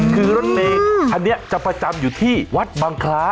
คือรถเมย์อันนี้จะประจำอยู่ที่วัดบังคล้า